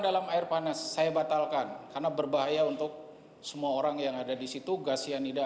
dalam air panas saya batalkan karena berbahaya untuk semua orang yang ada di situ gas cyanida